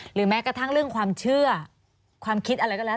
แม้กระทั่งเรื่องความเชื่อความคิดอะไรก็แล้ว